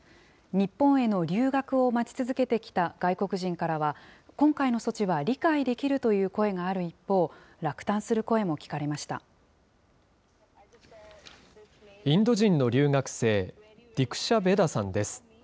日本への留学を待ち続けてきた外国人からは、今回の措置は理解できるという声がある一方、落胆すインド人の留学生、ディクシャ・ヴェダさんです。